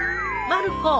・まる子。